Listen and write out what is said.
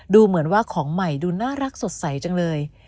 ดูเหมือนว่าของใหม่ดูน่ารักสดใสจังเลย